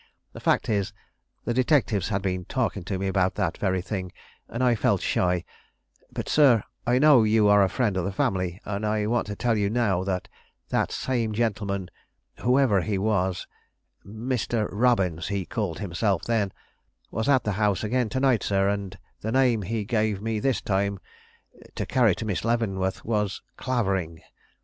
The fact is, the detectives had been talking to me about that very thing, and I felt shy; but, sir, I know you are a friend of the family, and I want to tell you now that that same gentleman, whoever he was, Mr. Robbins, he called himself then, was at the house again to night, sir, and the name he gave me this time to carry to Miss Leavenworth was Clavering.